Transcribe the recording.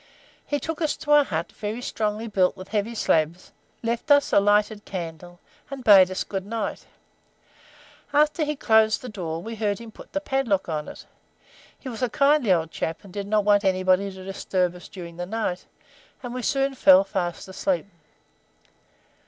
He took us to a hut very strongly built with heavy slabs, left us a lighted candle, and bade us good night. After he closed the door we heard him put a padlock on it; he was a kindly old chap, and did not want anybody to disturb us during the night, and we soon fell fast asleep.